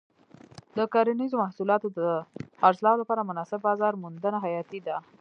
د کرنیزو محصولاتو د خرڅلاو لپاره مناسب بازار موندنه حیاتي ده.